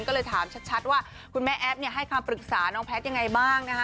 ก็เลยถามชัดว่าคุณแม่แอฟให้คำปรึกษาน้องแพทย์ยังไงบ้างนะคะ